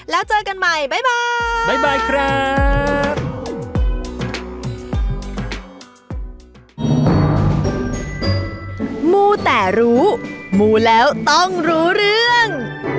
แล้วเจอกันใหม่บ๊ายบายบ๊ายบายครับ